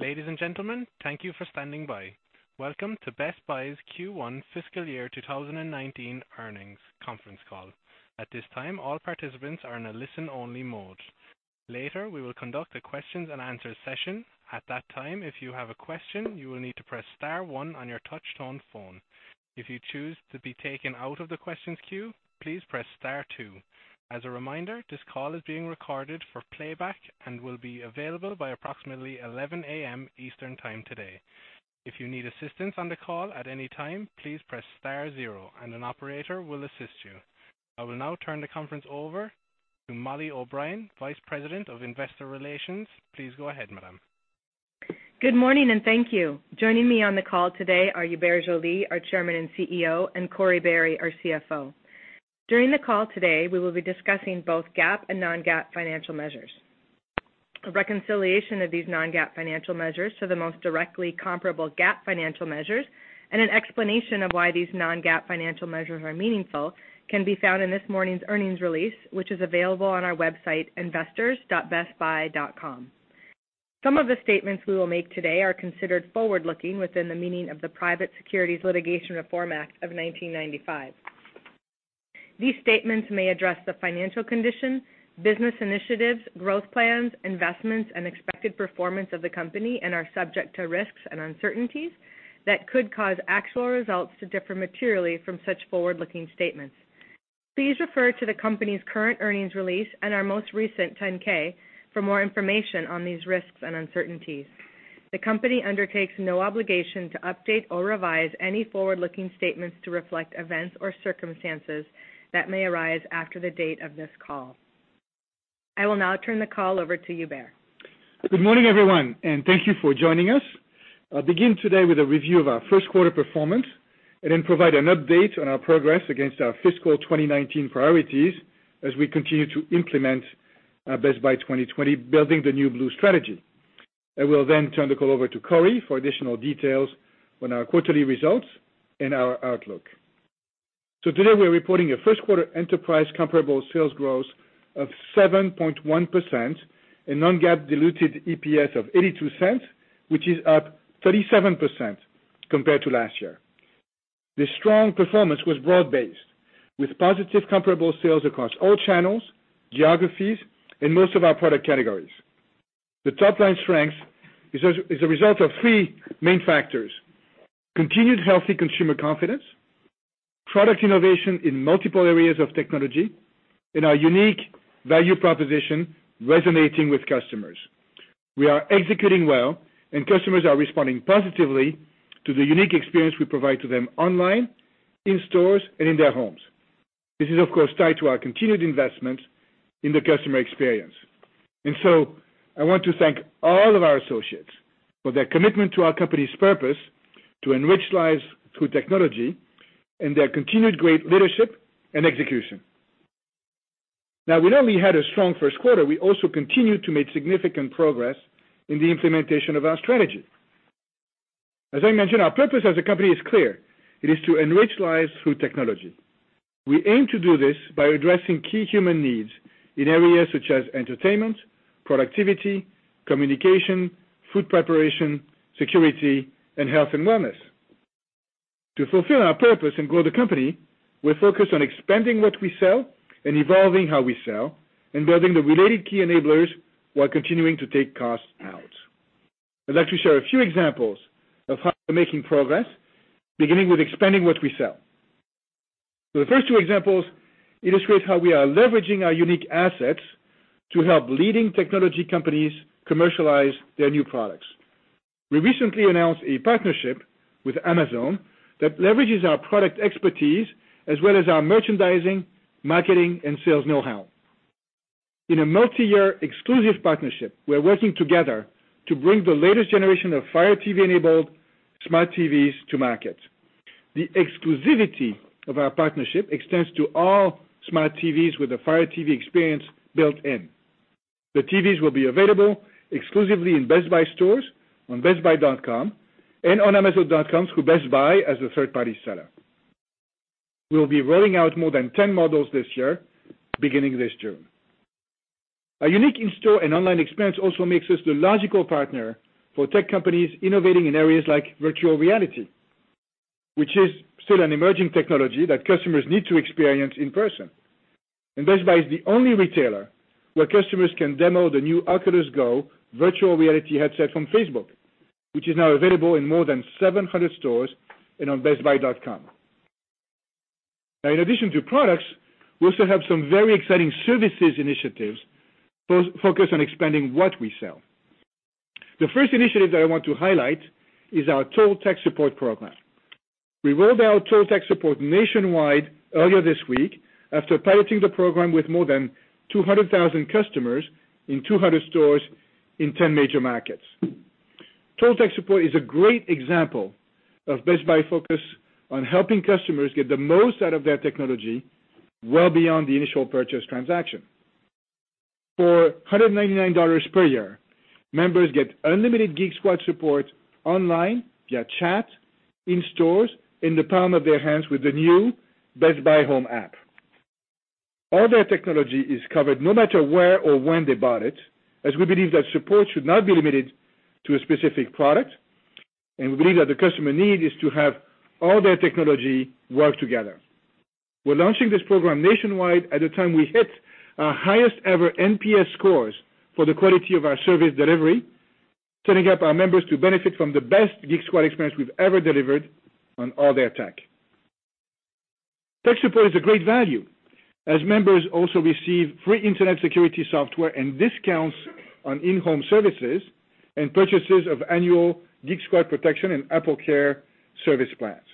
Ladies and gentlemen, thank you for standing by. Welcome to Best Buy's Q1 fiscal year 2019 earnings conference call. At this time, all participants are in a listen-only mode. Later, we will conduct a questions and answer session. At that time, if you have a question, you will need to press star one on your touch-tone phone. If you choose to be taken out of the questions queue, please press star two. As a reminder, this call is being recorded for playback and will be available by approximately 11:00 A.M. Eastern Time today. If you need assistance on the call at any time, please press star zero and an operator will assist you. I will now turn the conference over to Mollie O'Brien, Vice President of Investor Relations. Please go ahead, madam. Good morning and thank you. Joining me on the call today are Hubert Joly, our Chairman and CEO, and Corie Barry, our CFO. During the call today, we will be discussing both GAAP and non-GAAP financial measures. A reconciliation of these non-GAAP financial measures to the most directly comparable GAAP financial measures, and an explanation of why these non-GAAP financial measures are meaningful can be found in this morning's earnings release, which is available on our website, investors.bestbuy.com. Some of the statements we will make today are considered forward-looking within the meaning of the Private Securities Litigation Reform Act of 1995. These statements may address the financial conditions, business initiatives, growth plans, investments, and expected performance of the company and are subject to risks and uncertainties that could cause actual results to differ materially from such forward-looking statements. Please refer to the company's current earnings release and our most recent 10-K for more information on these risks and uncertainties. The company undertakes no obligation to update or revise any forward-looking statements to reflect events or circumstances that may arise after the date of this call. I will now turn the call over to Hubert. Good morning, everyone, and thank you for joining us. I'll begin today with a review of our first quarter performance and then provide an update on our progress against our fiscal 2019 priorities as we continue to implement our Best Buy 2020: Building the New Blue strategy. I will then turn the call over to Corie for additional details on our quarterly results and our outlook. Today we're reporting a first-quarter enterprise comparable sales growth of 7.1% and non-GAAP diluted EPS of $0.82, which is up 37% compared to last year. This strong performance was broad-based, with positive comparable sales across all channels, geographies, and most of our product categories. The top-line strength is a result of three main factors: continued healthy consumer confidence, product innovation in multiple areas of technology, and our unique value proposition resonating with customers. We are executing well and customers are responding positively to the unique experience we provide to them online, in stores, and in their homes. This is, of course, tied to our continued investment in the customer experience. I want to thank all of our associates for their commitment to our company's purpose to enrich lives through technology and their continued great leadership and execution. We not only had a strong first quarter, we also continued to make significant progress in the implementation of our strategy. As I mentioned, our purpose as a company is clear. It is to enrich lives through technology. We aim to do this by addressing key human needs in areas such as entertainment, productivity, communication, food preparation, security, and health and wellness. To fulfill our purpose and grow the company, we're focused on expanding what we sell and evolving how we sell and building the related key enablers while continuing to take costs out. I'd like to share a few examples of how we're making progress, beginning with expanding what we sell. The first two examples illustrate how we are leveraging our unique assets to help leading technology companies commercialize their new products. We recently announced a partnership with Amazon that leverages our product expertise as well as our merchandising, marketing, and sales know-how. In a multi-year exclusive partnership, we're working together to bring the latest generation of Fire TV-enabled smart TVs to market. The exclusivity of our partnership extends to all smart TVs with a Fire TV experience built in. The TVs will be available exclusively in Best Buy stores, on bestbuy.com, and on amazon.com through Best Buy as a third-party seller. We'll be rolling out more than 10 models this year, beginning this June. Our unique in-store and online experience also makes us the logical partner for tech companies innovating in areas like virtual reality, which is still an emerging technology that customers need to experience in person. Best Buy is the only retailer where customers can demo the new Oculus Go virtual reality headset from Facebook, which is now available in more than 700 stores and on bestbuy.com. In addition to products, we also have some very exciting services initiatives focused on expanding what we sell. The first initiative that I want to highlight is our Total Tech Support program. We rolled out Total Tech Support nationwide earlier this week after piloting the program with more than 200,000 customers in 200 stores in 10 major markets. Total Tech Support is a great example of Best Buy focus on helping customers get the most out of their technology, well beyond the initial purchase transaction. For $199 per year, members get unlimited Geek Squad support online, via chat, in stores, in the palm of their hands with the new Best Buy Home app. All their technology is covered no matter where or when they bought it, as we believe that support should not be limited to a specific product, and we believe that the customer need is to have all their technology work together. We're launching this program nationwide at a time we hit our highest ever NPS scores for the quality of our service delivery, setting up our members to benefit from the best Geek Squad experience we've ever delivered on all their tech. Tech support is a great value, as members also receive free internet security software and discounts on in-home services and purchases of annual Geek Squad protection and AppleCare service plans.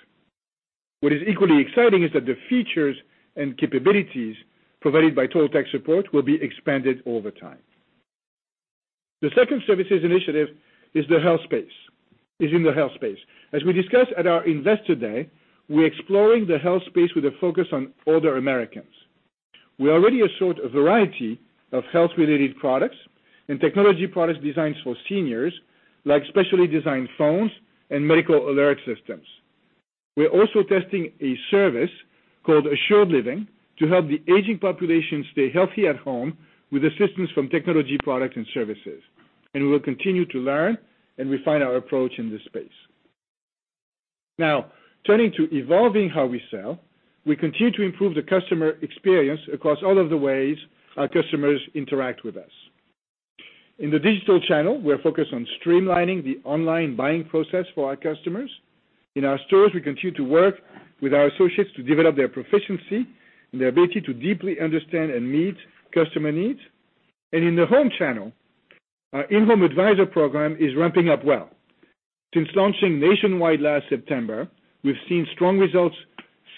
What is equally exciting is that the features and capabilities provided by Total Tech Support will be expanded over time. The second services initiative is in the health space. As we discussed at our investor day, we're exploring the health space with a focus on older Americans. We already assort a variety of health-related products and technology products designed for seniors, like specially designed phones and medical alert systems. We're also testing a service called Assured Living to help the aging population stay healthy at home with assistance from technology products and services. We will continue to learn and refine our approach in this space. Now, turning to evolving how we sell, we continue to improve the customer experience across all of the ways our customers interact with us. In the digital channel, we're focused on streamlining the online buying process for our customers. In our stores, we continue to work with our associates to develop their proficiency and their ability to deeply understand and meet customer needs. In the home channel, our in-home advisor program is ramping up well. Since launching nationwide last September, we've seen strong results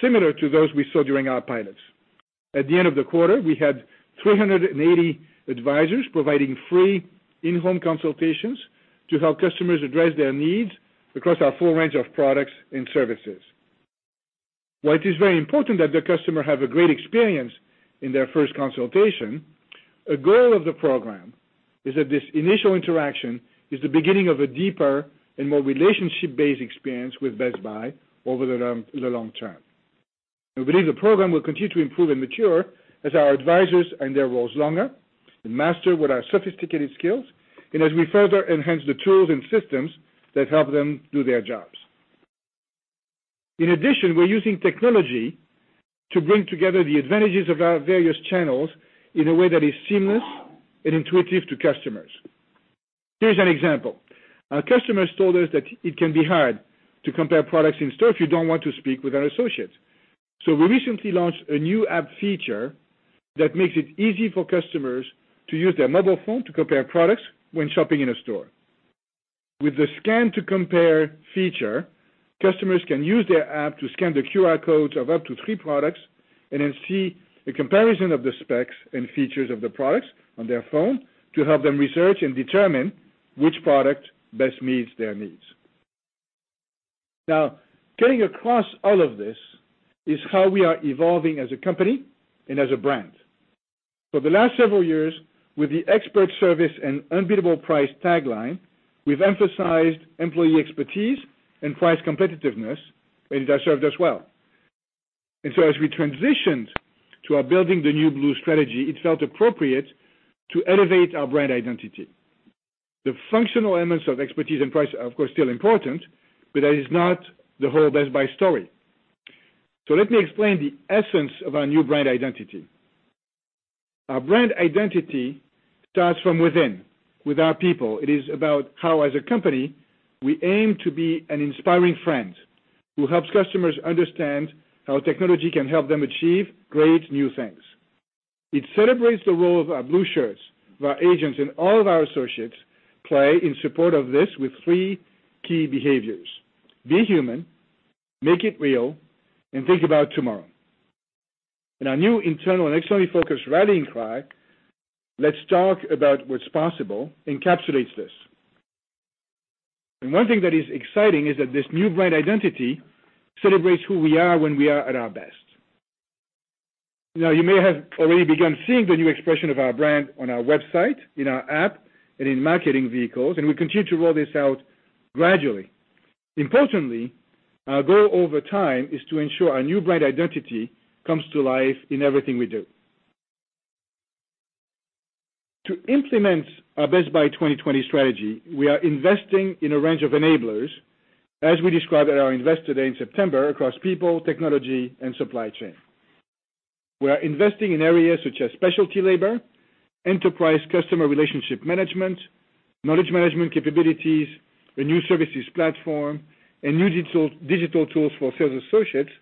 similar to those we saw during our pilots. At the end of the quarter, we had 380 advisors providing free in-home consultations to help customers address their needs across our full range of products and services. While it is very important that the customer have a great experience in their first consultation, a goal of the program is that this initial interaction is the beginning of a deeper and more relationship-based experience with Best Buy over the long term. We believe the program will continue to improve and mature as our advisors in their roles longer, they master what are sophisticated skills, and as we further enhance the tools and systems that help them do their jobs. In addition, we're using technology to bring together the advantages of our various channels in a way that is seamless and intuitive to customers. Here's an example. Our customers told us that it can be hard to compare products in-store if you don't want to speak with an associate. We recently launched a new app feature that makes it easy for customers to use their mobile phone to compare products when shopping in a store. With the Scan to Compare feature, customers can use their app to scan the QR codes of up to three products and then see a comparison of the specs and features of the products on their phone to help them research and determine which product best meets their needs. Now, cutting across all of this is how we are evolving as a company and as a brand. For the last several years, with the expert service and unbeatable price tagline, we've emphasized employee expertise and price competitiveness, and it has served us well. As we transitioned to our Building the New Blue strategy, it felt appropriate to elevate our brand identity. The functional elements of expertise and price are of course, still important, but that is not the whole Best Buy story. Let me explain the essence of our new brand identity. Our brand identity starts from within, with our people. It is about how, as a company, we aim to be an inspiring friend who helps customers understand how technology can help them achieve great new things. It celebrates the role of our Blue Shirts, our agents, and all of our associates play in support of this with three key behaviors: be human, make it real, and think about tomorrow. Our new internal and externally focused rallying cry, "Let's talk about what's possible," encapsulates this. One thing that is exciting is that this new brand identity celebrates who we are when we are at our best. Now, you may have already begun seeing the new expression of our brand on our website, in our app, and in marketing vehicles, and we continue to roll this out gradually. Importantly, our goal over time is to ensure our new brand identity comes to life in everything we do. To implement our Best Buy 2020 strategy, we are investing in a range of enablers, as we described at our investor day in September, across people, technology, and supply chain. We are investing in areas such as specialty labor, enterprise customer relationship management, knowledge management capabilities, a new services platform, and new digital tools for sales associates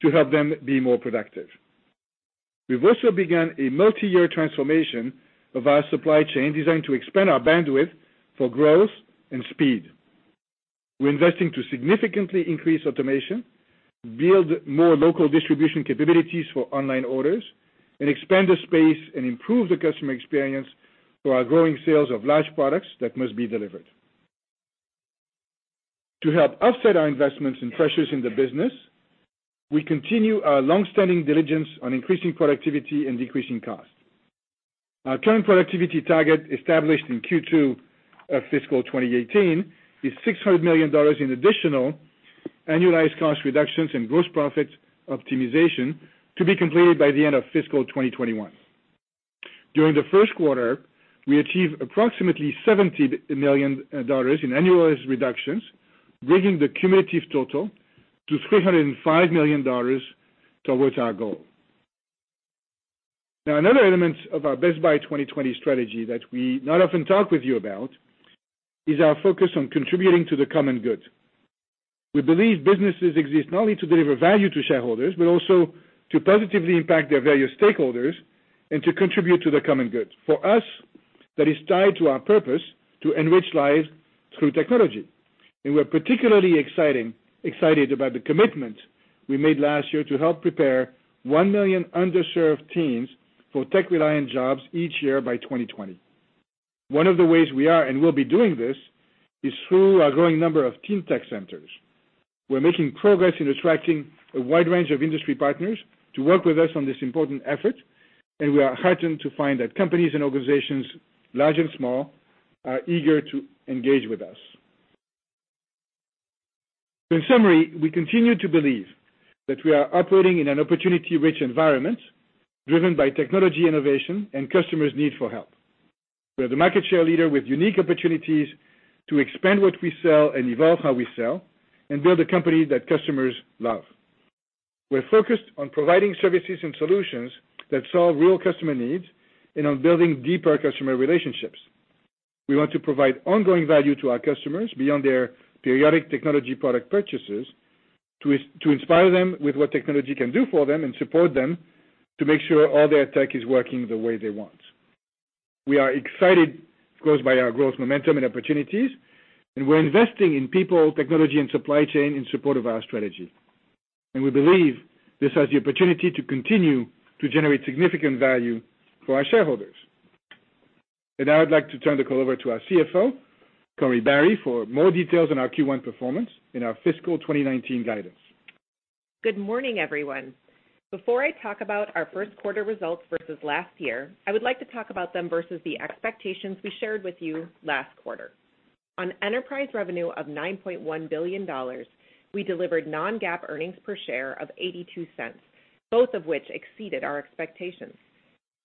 to help them be more productive. We've also begun a multi-year transformation of our supply chain designed to expand our bandwidth for growth and speed. We're investing to significantly increase automation, build more local distribution capabilities for online orders, and expand the space and improve the customer experience for our growing sales of large products that must be delivered. To help offset our investments and pressures in the business, we continue our longstanding diligence on increasing productivity and decreasing costs. Our current productivity target, established in Q2 of fiscal 2018, is $600 million in additional annualized cost reductions in gross profit optimization to be completed by the end of fiscal 2021. During the first quarter, we achieved approximately $70 million in annualized reductions, bringing the cumulative total to $305 million towards our goal. Now, another element of our Best Buy 2020 strategy that we not often talk with you about is our focus on contributing to the common good. We believe businesses exist not only to deliver value to shareholders, but also to positively impact their various stakeholders and to contribute to the common good. For us, that is tied to our purpose to enrich lives through technology, and we're particularly excited about the commitment we made last year to help prepare 1 million underserved teens for tech-reliant jobs each year by 2020. One of the ways we are and will be doing this is through our growing number of Teen Tech Centers. We're making progress in attracting a wide range of industry partners to work with us on this important effort, and we are heartened to find that companies and organizations, large and small, are eager to engage with us. In summary, we continue to believe that we are operating in an opportunity-rich environment driven by technology innovation and customers' need for help. We are the market share leader with unique opportunities to expand what we sell and evolve how we sell and build a company that customers love. We are focused on providing services and solutions that solve real customer needs and on building deeper customer relationships. We want to provide ongoing value to our customers beyond their periodic technology product purchases to inspire them with what technology can do for them and support them to make sure all their tech is working the way they want. We are excited, of course, by our growth momentum and opportunities, and we are investing in people, technology, and supply chain in support of our strategy. We believe this has the opportunity to continue to generate significant value for our shareholders. Now I'd like to turn the call over to our CFO, Corie Barry, for more details on our Q1 performance and our fiscal 2019 guidance. Good morning, everyone. Before I talk about our first quarter results versus last year, I would like to talk about them versus the expectations we shared with you last quarter. On enterprise revenue of $9.1 billion, we delivered non-GAAP earnings per share of $0.82, both of which exceeded our expectations.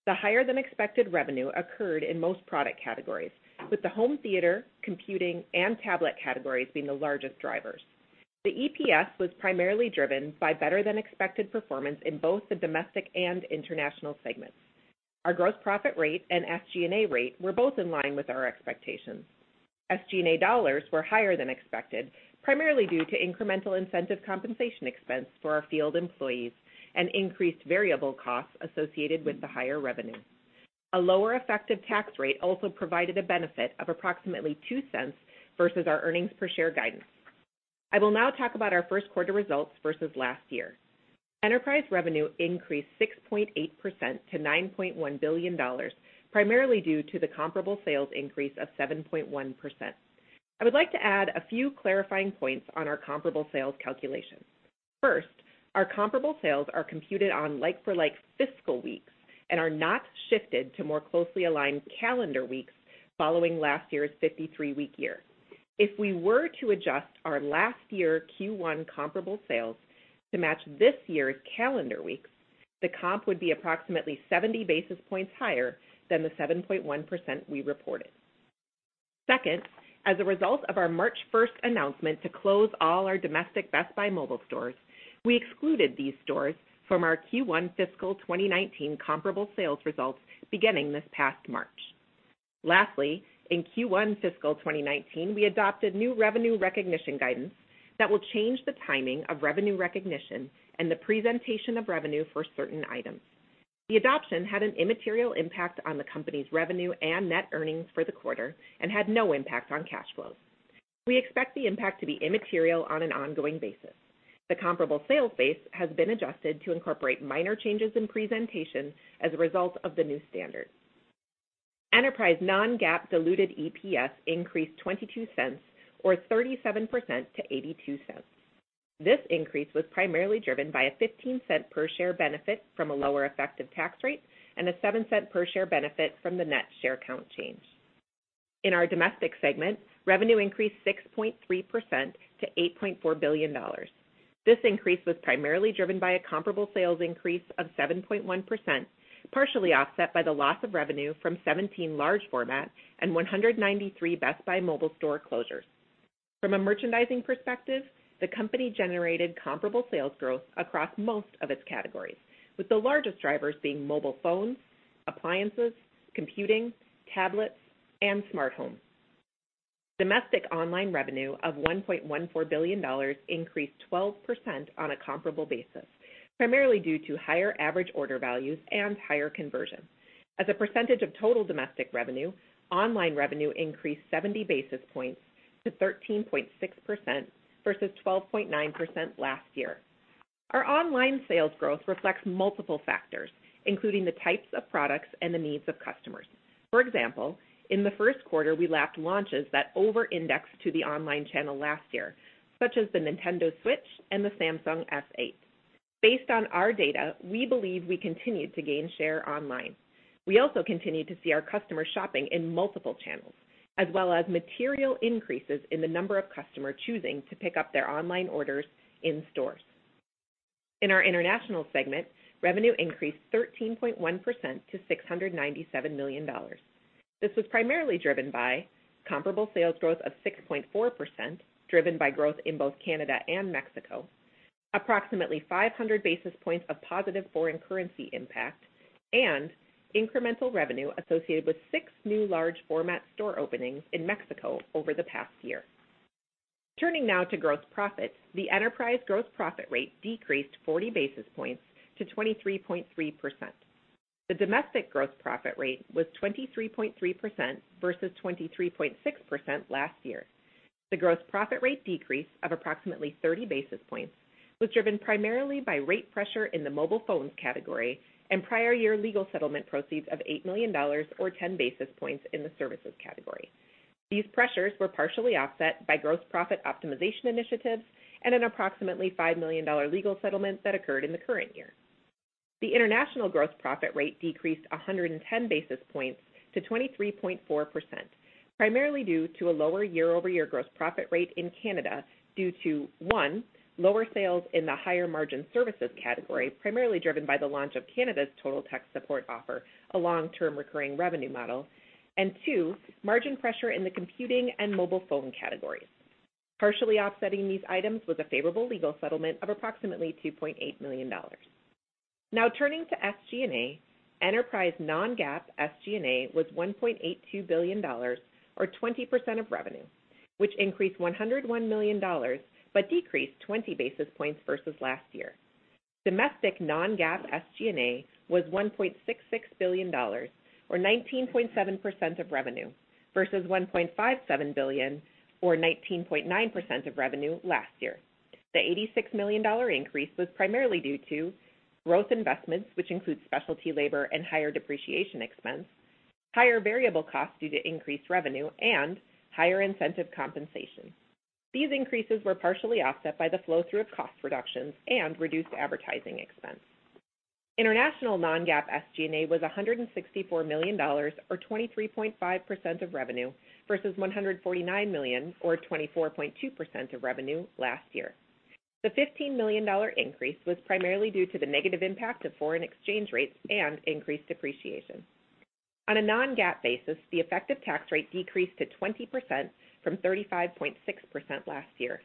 The higher-than-expected revenue occurred in most product categories, with the home theater, computing, and tablet categories being the largest drivers. The EPS was primarily driven by better-than-expected performance in both the domestic and international segments. Our gross profit rate and SG&A rate were both in line with our expectations. SG&A dollars were higher than expected, primarily due to incremental incentive compensation expense for our field employees and increased variable costs associated with the higher revenue. A lower effective tax rate also provided a benefit of approximately $0.02 versus our earnings per share guidance. I will now talk about our first quarter results versus last year. Enterprise revenue increased 6.8% to $9.1 billion, primarily due to the comparable sales increase of 7.1%. I would like to add a few clarifying points on our comparable sales calculation. First, our comparable sales are computed on like-for-like fiscal weeks and are not shifted to more closely aligned calendar weeks following last year's 53-week year. If we were to adjust our last year Q1 comparable sales to match this year's calendar weeks, the comp would be approximately 70 basis points higher than the 7.1% we reported. Second, as a result of our March 1st announcement to close all our domestic Best Buy Mobile stores, we excluded these stores from our Q1 fiscal 2019 comparable sales results beginning this past March. Lastly, in Q1 fiscal 2019, we adopted new revenue recognition guidance that will change the timing of revenue recognition and the presentation of revenue for certain items. The adoption had an immaterial impact on the company's revenue and net earnings for the quarter and had no impact on cash flows. We expect the impact to be immaterial on an ongoing basis. The comparable sales base has been adjusted to incorporate minor changes in presentation as a result of the new standard. Enterprise non-GAAP diluted EPS increased $0.22 or 37% to $0.82. This increase was primarily driven by a $0.15 per share benefit from a lower effective tax rate and a $0.07 per share benefit from the net share count change. In our domestic segment, revenue increased 6.3% to $8.4 billion. This increase was primarily driven by a comparable sales increase of 7.1%, partially offset by the loss of revenue from 17 large format and 193 Best Buy Mobile store closures. From a merchandising perspective, the company generated comparable sales growth across most of its categories, with the largest drivers being mobile phones, appliances, computing, tablets, and smart home. Domestic online revenue of $1.14 billion increased 12% on a comparable basis, primarily due to higher average order values and higher conversion. As a percentage of total domestic revenue, online revenue increased 70 basis points to 13.6% versus 12.9% last year. Our online sales growth reflects multiple factors, including the types of products and the needs of customers. For example, in the first quarter, we lapped launches that over-indexed to the online channel last year, such as the Nintendo Switch and the Samsung S8. Based on our data, we believe we continued to gain share online. We also continued to see our customers shopping in multiple channels, as well as material increases in the number of customers choosing to pick up their online orders in stores. In our international segment, revenue increased 13.1% to $697 million. This was primarily driven by comparable sales growth of 6.4%, driven by growth in both Canada and Mexico, approximately 500 basis points of positive foreign currency impact, and incremental revenue associated with six new large format store openings in Mexico over the past year. Turning now to gross profit. The enterprise gross profit rate decreased 40 basis points to 23.3%. The domestic gross profit rate was 23.3% versus 23.6% last year. The gross profit rate decrease of approximately 30 basis points was driven primarily by rate pressure in the mobile phones category and prior year legal settlement proceeds of $8 million, or 10 basis points in the services category. These pressures were partially offset by gross profit optimization initiatives and an approximately $5 million legal settlement that occurred in the current year. The international gross profit rate decreased 110 basis points to 23.4%, primarily due to a lower year-over-year gross profit rate in Canada due to, one, lower sales in the higher margin services category, primarily driven by the launch of Canada's Total Tech Support offer, a long-term recurring revenue model, and two, margin pressure in the computing and mobile phone categories. Partially offsetting these items was a favorable legal settlement of approximately $2.8 million. Turning now to SG&A. Enterprise non-GAAP SG&A was $1.82 billion, or 20% of revenue, which increased $101 million but decreased 20 basis points versus last year. Domestic non-GAAP SG&A was $1.66 billion, or 19.7% of revenue, versus $1.57 billion, or 19.9% of revenue last year. The $86 million increase was primarily due to growth investments, which include specialty labor and higher depreciation expense, higher variable costs due to increased revenue, and higher incentive compensation. These increases were partially offset by the flow-through of cost reductions and reduced advertising expense. International non-GAAP SG&A was $164 million, or 23.5% of revenue, versus $149 million, or 24.2% of revenue last year. The $15 million increase was primarily due to the negative impact of foreign exchange rates and increased depreciation. On a non-GAAP basis, the effective tax rate decreased to 20% from 35.6% last year.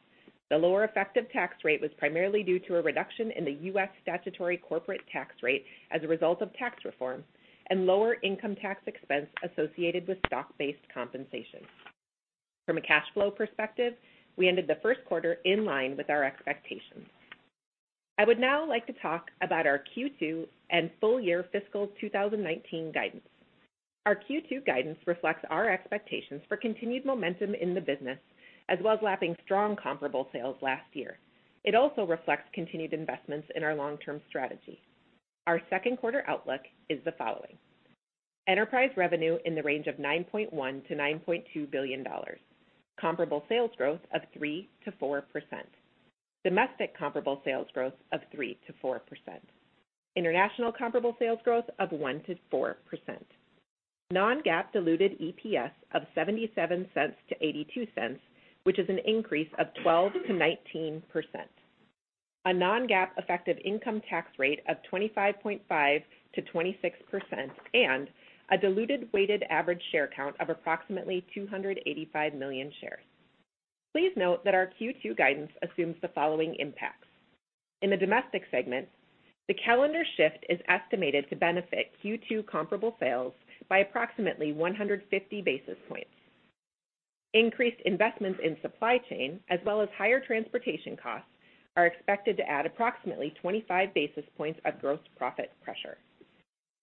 The lower effective tax rate was primarily due to a reduction in the U.S. statutory corporate tax rate as a result of tax reform and lower income tax expense associated with stock-based compensation. From a cash flow perspective, we ended the first quarter in line with our expectations. I would now like to talk about our Q2 and full year fiscal 2019 guidance. Our Q2 guidance reflects our expectations for continued momentum in the business, as well as lapping strong comparable sales last year. It also reflects continued investments in our long-term strategy. Our second quarter outlook is the following. Enterprise revenue in the range of $9.1 billion-$9.2 billion. Comparable sales growth of 3%-4%. Domestic comparable sales growth of 3%-4%. International comparable sales growth of 1%-4%. Non-GAAP diluted EPS of $0.77-$0.82, which is an increase of 12%-19%. A non-GAAP effective income tax rate of 25.5%-26%, and a diluted weighted average share count of approximately 285 million shares. Please note that our Q2 guidance assumes the following impacts. In the domestic segment, the calendar shift is estimated to benefit Q2 comparable sales by approximately 150 basis points. Increased investments in supply chain as well as higher transportation costs are expected to add approximately 25 basis points of gross profit pressure.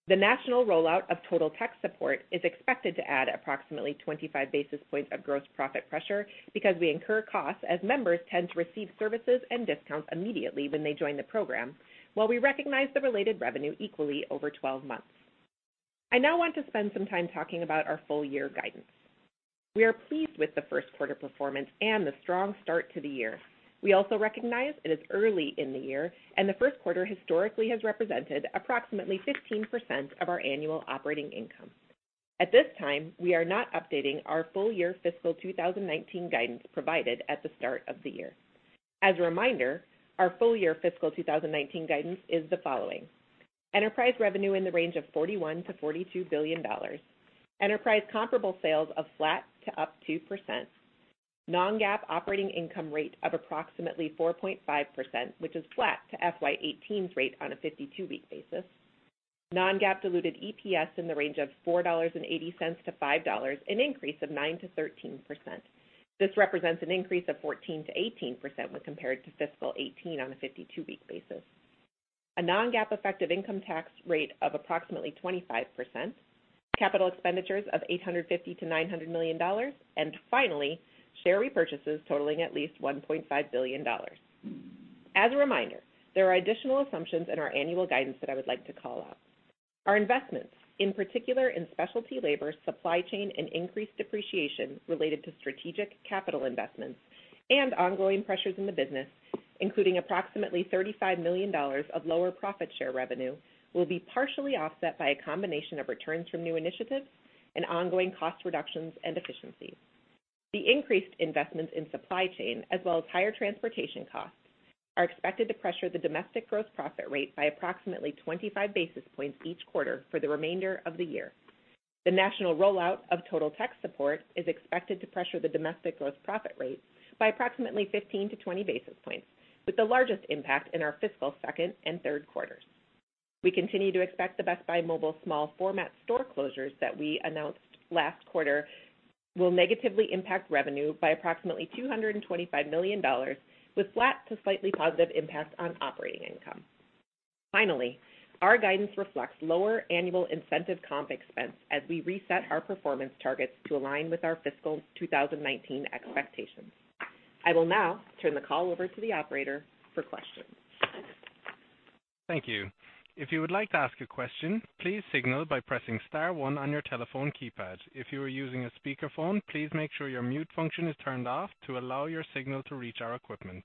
The national rollout of Total Tech Support is expected to add approximately 25 basis points of gross profit pressure because we incur costs as members tend to receive services and discounts immediately when they join the program, while we recognize the related revenue equally over 12 months. I now want to spend some time talking about our full year guidance. We are pleased with the first quarter performance and the strong start to the year. We also recognize it is early in the year, the first quarter historically has represented approximately 15% of our annual operating income. At this time, we are not updating our full year fiscal 2019 guidance provided at the start of the year. As a reminder, our full year fiscal 2019 guidance is the following. Enterprise revenue in the range of $41 billion-$42 billion. Enterprise comparable sales of flat to up 2%. Non-GAAP operating income rate of approximately 4.5%, which is flat to FY 2018's rate on a 52-week basis. Non-GAAP diluted EPS in the range of $4.80-$5, an increase of 9%-13%. This represents an increase of 14%-18% when compared to fiscal 2018 on a 52-week basis. A non-GAAP effective income tax rate of approximately 25%, capital expenditures of $850 million-$900 million, and finally, share repurchases totaling at least $1.5 billion. As a reminder, there are additional assumptions in our annual guidance that I would like to call out. Our investments, in particular in specialty labor, supply chain, and increased depreciation related to strategic capital investments and ongoing pressures in the business, including approximately $35 million of lower profit share revenue, will be partially offset by a combination of returns from new initiatives and ongoing cost reductions and efficiencies. The increased investments in supply chain, as well as higher transportation costs, are expected to pressure the domestic gross profit rate by approximately 25 basis points each quarter for the remainder of the year. The national rollout of Total Tech Support is expected to pressure the domestic gross profit rate by approximately 15 to 20 basis points, with the largest impact in our fiscal second and third quarters. We continue to expect the Best Buy Mobile small format store closures that we announced last quarter will negatively impact revenue by approximately $225 million, with flat to slightly positive impact on operating income. Finally, our guidance reflects lower annual incentive comp expense as we reset our performance targets to align with our fiscal 2019 expectations. I will now turn the call over to the operator for questions. Thank you. If you would like to ask a question, please signal by pressing star one on your telephone keypad. If you are using a speakerphone, please make sure your mute function is turned off to allow your signal to reach our equipment.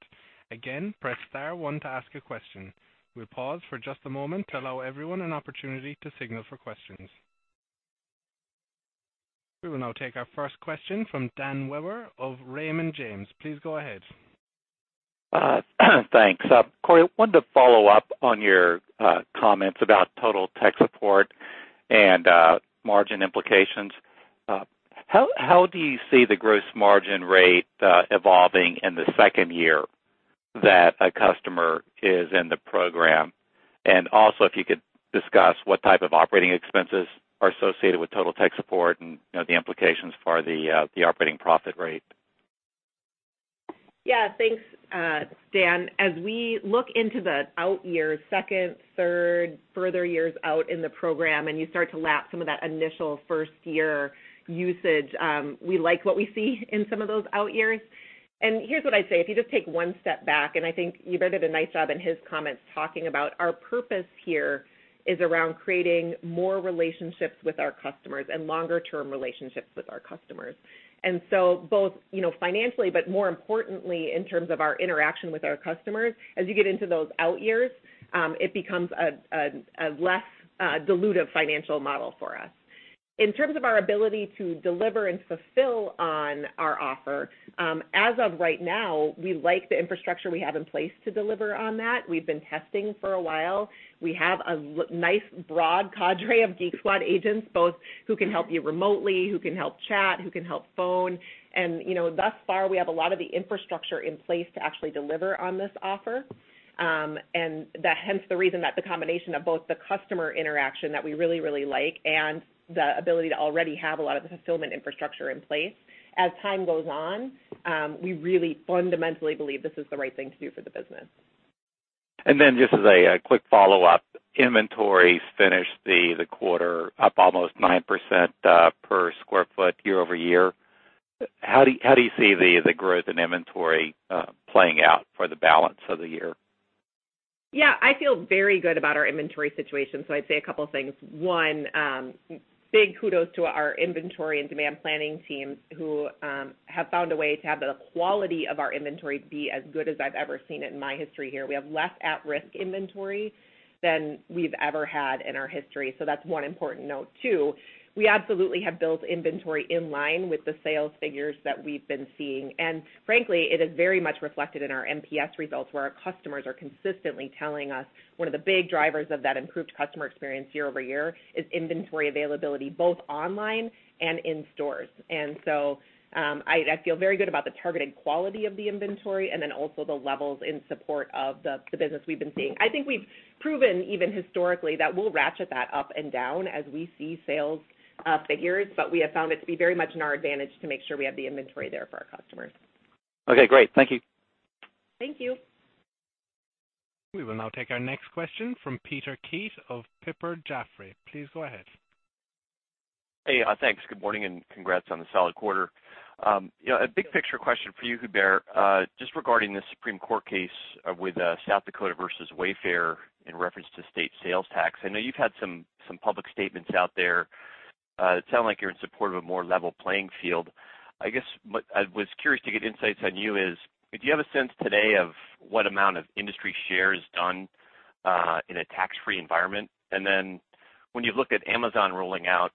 Again, press star one to ask a question. We will pause for just a moment to allow everyone an opportunity to signal for questions. We will now take our first question from Dan Wewer of Raymond James. Please go ahead. Thanks. Corie, wanted to follow up on your comments about Total Tech Support and margin implications. How do you see the gross margin rate evolving in the second year that a customer is in the program? Also, if you could discuss what type of operating expenses are associated with Total Tech Support and the implications for the operating profit rate. Thanks, Dan. As we look into the out years, second, third, further years out in the program, and you start to lap some of that initial first-year usage, we like what we see in some of those out years. Here's what I'd say. If you just take one step back, and I think Hubert did a nice job in his comments talking about our purpose here is around creating more relationships with our customers and longer-term relationships with our customers. Both financially, but more importantly, in terms of our interaction with our customers, as you get into those out years, it becomes a less dilutive financial model for us. In terms of our ability to deliver and fulfill on our offer, as of right now, we like the infrastructure we have in place to deliver on that. We've been testing for a while. We have a nice broad cadre of Geek Squad agents, both who can help you remotely, who can help chat, who can help phone. Thus far, we have a lot of the infrastructure in place to actually deliver on this offer, hence the reason that the combination of both the customer interaction that we really, really like and the ability to already have a lot of the fulfillment infrastructure in place. As time goes on, we really fundamentally believe this is the right thing to do for the business. Just as a quick follow-up, inventories finished the quarter up almost 9% per square foot year-over-year. How do you see the growth in inventory playing out for the balance of the year? I feel very good about our inventory situation. I'd say a couple things. One, big kudos to our inventory and demand planning teams who have found a way to have the quality of our inventory be as good as I've ever seen it in my history here. We have less at-risk inventory than we've ever had in our history. That's one important note. Two, we absolutely have built inventory in line with the sales figures that we've been seeing. Frankly, it is very much reflected in our NPS results, where our customers are consistently telling us one of the big drivers of that improved customer experience year-over-year is inventory availability, both online and in stores. I feel very good about the targeted quality of the inventory and then also the levels in support of the business we've been seeing. I think we've proven even historically that we'll ratchet that up and down as we see sales figures, but we have found it to be very much in our advantage to make sure we have the inventory there for our customers. Okay, great. Thank you. Thank you. We will now take our next question from Peter Keith of Piper Jaffray. Please go ahead. Thanks. Good morning, and congrats on the solid quarter. A big picture question for you, Hubert, just regarding the Supreme Court case with South Dakota versus Wayfair in reference to state sales tax. I know you've had some public statements out there. It sounds like you're in support of a more level playing field. I guess what I was curious to get insights on you is, do you have a sense today of what amount of industry share is done in a tax-free environment? When you look at Amazon rolling out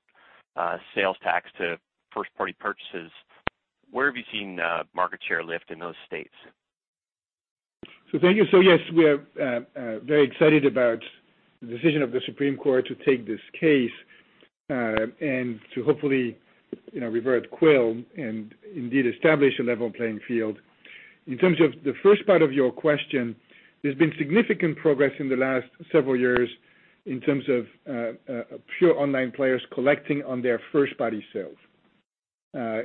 sales tax to first-party purchases, where have you seen market share lift in those states? Thank you. Yes, we are very excited about the decision of the Supreme Court to take this case, and to hopefully revert Quill and indeed establish a level playing field. In terms of the first part of your question, there's been significant progress in the last five years in terms of pure online players collecting on their first-party sales.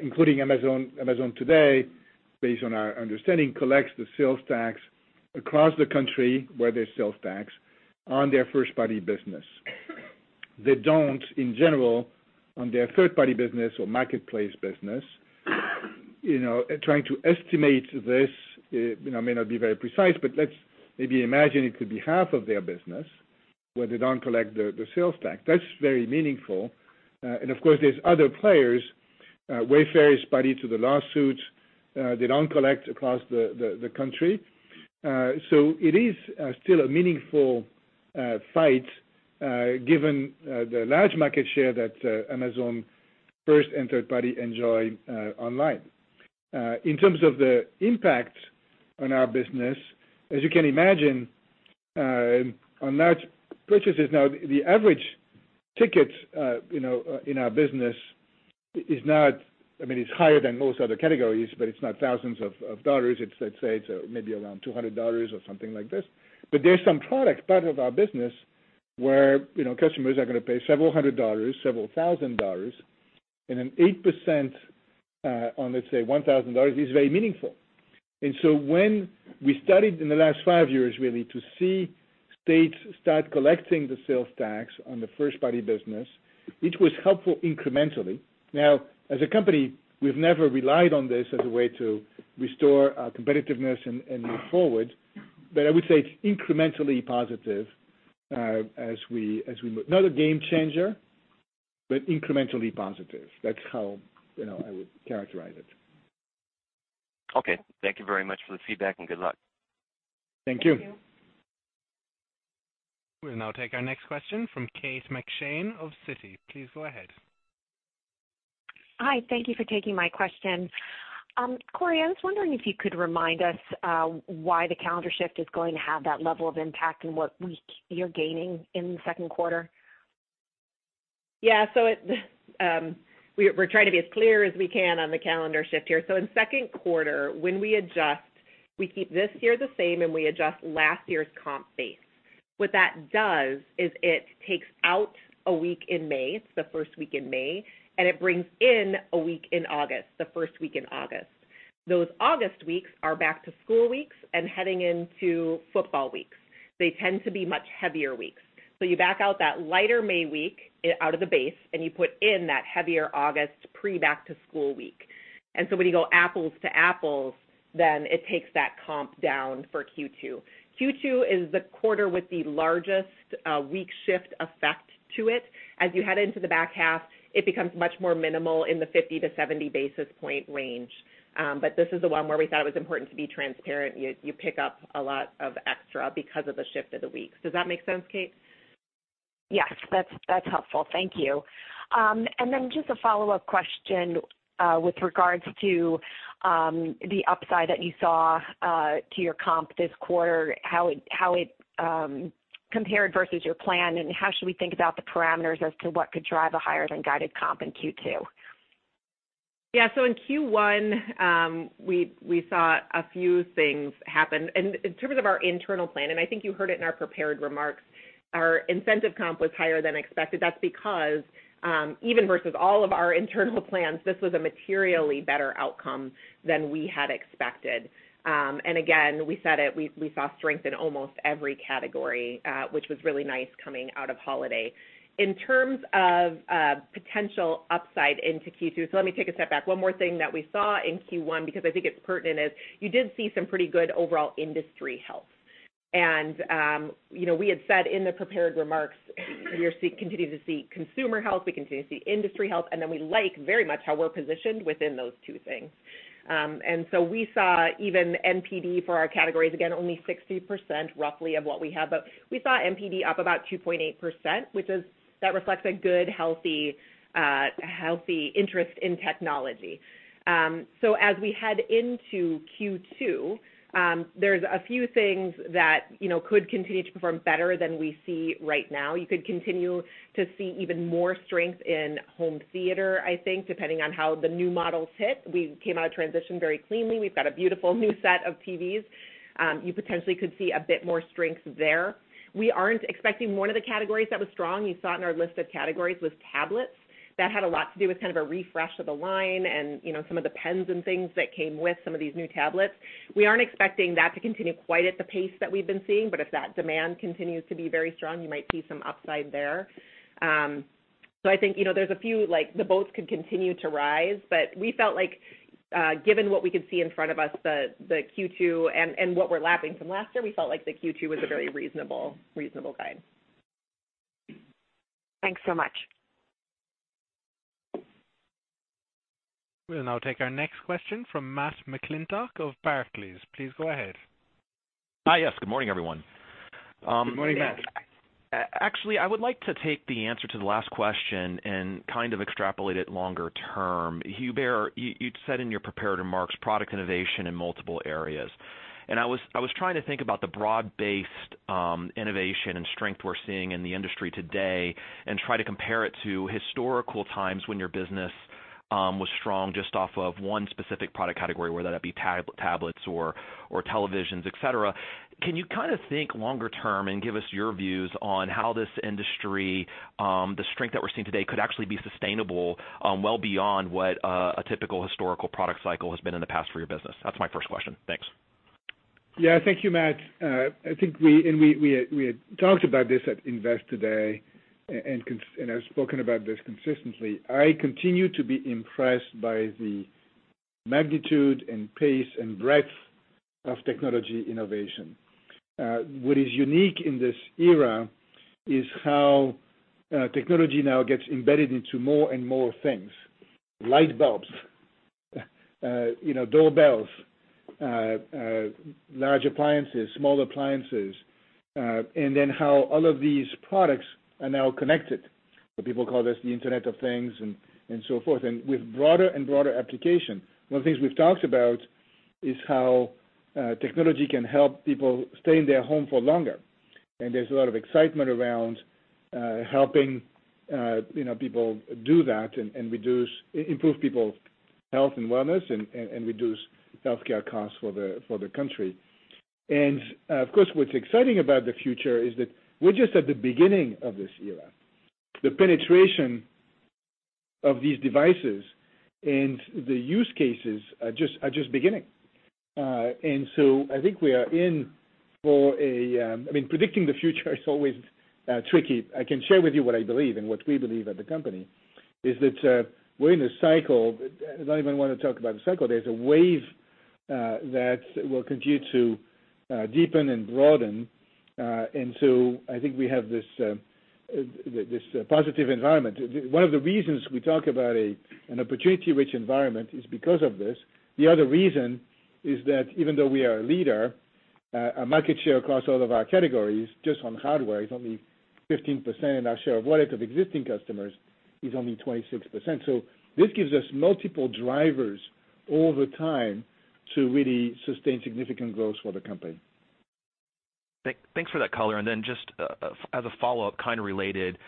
Including Amazon. Amazon today, based on our understanding, collects the sales tax across the country where there's sales tax on their first-party business. They don't in general on their third-party business or marketplace business. Trying to estimate this may not be very precise, but let's maybe imagine it could be half of their business where they don't collect the sales tax. That's very meaningful. Of course, there's other players. Wayfair is party to the lawsuit. They don't collect across the country. It is still a meaningful fight given the large market share that Amazon first and third party enjoy online. In terms of the impact on our business, as you can imagine, on large purchases now, the average ticket in our business is higher than most other categories, but it's not thousands of dollars. It's, let's say, maybe around $200 or something like this. There's some product part of our business where customers are going to pay several hundred dollars, several thousand dollars, and an 8% on, let's say, $1,000 is very meaningful. When we studied in the last five years, really to see states start collecting the sales tax on the first-party business, it was helpful incrementally. Now, as a company, we've never relied on this as a way to restore our competitiveness and move forward. I would say it's incrementally positive as we move. Not a game changer, but incrementally positive. That's how I would characterize it. Okay. Thank you very much for the feedback, and good luck. Thank you. We'll now take our next question from Kate McShane of Citi. Please go ahead. Hi. Thank you for taking my question. Corie, I was wondering if you could remind us why the calendar shift is going to have that level of impact and what week you're gaining in the second quarter. Yeah. We're trying to be as clear as we can on the calendar shift here. In second quarter, when we adjust, we keep this year the same and we adjust last year's comp base. What that does is it takes out a week in May, the first week in May, and it brings in a week in August, the first week in August. Those August weeks are back to school weeks and heading into football weeks. They tend to be much heavier weeks. You back out that lighter May week out of the base, and you put in that heavier August pre-back to school week. When you go apples to apples, it takes that comp down for Q2. Q2 is the quarter with the largest week shift effect to it. As you head into the back half, it becomes much more minimal in the 50 to 70 basis point range. This is the one where we thought it was important to be transparent. You pick up a lot of extra because of the shift of the weeks. Does that make sense, Kate? Yes. That's helpful. Thank you. Just a follow-up question with regards to the upside that you saw to your comp this quarter, how it compared versus your plan, and how should we think about the parameters as to what could drive a higher than guided comp in Q2? Yeah. In Q1, we saw a few things happen. In terms of our internal plan, and I think you heard it in our prepared remarks, our incentive comp was higher than expected. That's because even versus all of our internal plans, this was a materially better outcome than we had expected. Again, we said it, we saw strength in almost every category which was really nice coming out of holiday. In terms of potential upside into Q2, let me take a step back. One more thing that we saw in Q1, because I think it's pertinent, is you did see some pretty good overall industry health. We had said in the prepared remarks, we continue to see consumer health, we continue to see industry health, we like very much how we're positioned within those two things. We saw even NPD for our categories. Again, only 60% roughly of what we have. We saw NPD up about 2.8%, that reflects a good, healthy interest in technology. As we head into Q2, there's a few things that could continue to perform better than we see right now. You could continue to see even more strength in home theater, I think, depending on how the new models hit. We came out of transition very cleanly. We've got a beautiful new set of TVs. You potentially could see a bit more strength there. We aren't expecting one of the categories that was strong, you saw it in our list of categories, was tablets. That had a lot to do with kind of a refresh of the line and some of the pens and things that came with some of these new tablets. We aren't expecting that to continue quite at the pace that we've been seeing, but if that demand continues to be very strong, you might see some upside there. I think there's a few, like the boats could continue to rise, but we felt like given what we could see in front of us, the Q2 and what we're lapping from last year, we felt like the Q2 was a very reasonable guide. Thanks so much. We'll now take our next question from Matt McClintock of Barclays. Please go ahead. Hi. Yes. Good morning, everyone. Good morning, Matt. Actually, I would like to take the answer to the last question and kind of extrapolate it longer term. Hubert, you'd said in your prepared remarks, product innovation in multiple areas. I was trying to think about the broad-based innovation and strength we're seeing in the industry today and try to compare it to historical times when your business was strong just off of one specific product category, whether that be tablets or televisions, et cetera. Can you kind of think longer term and give us your views on how this industry the strength that we're seeing today could actually be sustainable well beyond what a typical historical product cycle has been in the past for your business? That's my first question. Thanks. Yeah. Thank you, Matt. I think we had talked about this at Investor Day and I've spoken about this consistently. I continue to be impressed by the magnitude and pace and breadth of technology innovation. What is unique in this era is how technology now gets embedded into more and more things. Light bulbs, doorbells, large appliances, small appliances, and then how all of these products are now connected. People call this the Internet of Things and so forth. With broader and broader application, one of the things we've talked about is how technology can help people stay in their home for longer. There's a lot of excitement around helping people do that and improve people's health and wellness and reduce healthcare costs for the country. Of course, what's exciting about the future is that we're just at the beginning of this era. The penetration of these devices and the use cases are just beginning. Predicting the future is always tricky. I can share with you what I believe and what we believe at the company, is that we're in a cycle. I don't even want to talk about a cycle. There's a wave that will continue to deepen and broaden. I think we have this positive environment. One of the reasons we talk about an opportunity-rich environment is because of this. The other reason is that even though we are a leader, our market share across all of our categories, just on hardware, is only 15%, and our share of wallet of existing customers is only 26%. This gives us multiple drivers over time to really sustain significant growth for the company. Thanks for that color. Just as a follow-up, kind of related,